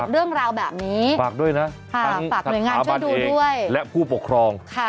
เรื่องราวแบบนี้ฝากด้วยนะฝากหน่วยงานที่ดูด้วยและผู้ปกครอง